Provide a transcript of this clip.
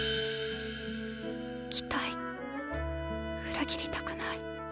期待裏切りたくない。